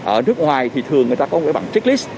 ở nước ngoài thì thường người ta có một cái bảng checklist